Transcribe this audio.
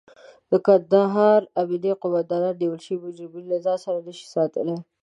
د کندهار امنيه قوماندان نيول شوي مجرمين له ځان سره نشي ساتلای.